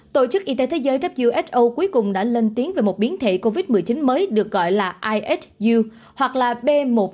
tổ chức y tế thế giới who cuối cùng đã lên tiếng về một biến thể covid một mươi chín mới được gọi là ihu hoặc là b một sáu nghìn bốn trăm linh hai